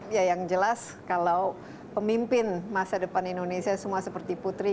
ya yang jelas kalau pemimpin masa depan indonesia semua seperti putri